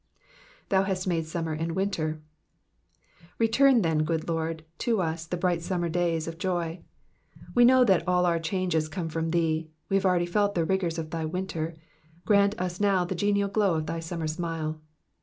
'* Thou hast iruule summer and winter,''^ Return, then, good lord, to us the bright summer days of joy. We know th:it all our changes come of thee, we have already felt the rigours of thy winter, grant us now the genial glow of thy summer smile.